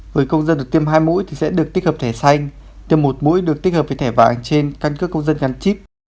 với công dân được tiêm hai mũi thì sẽ được tích hợp thẻ xanh tiêm một mũi được tích hợp với thẻ vàng trên căn cước công dân ngắn chip